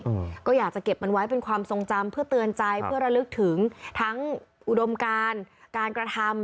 อืมก็อยากจะเก็บมันไว้เป็นความทรงจำเพื่อเตือนใจเพื่อระลึกถึงทั้งอุดมการการกระทำ